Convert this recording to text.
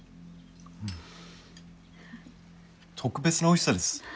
特別なおいしさです。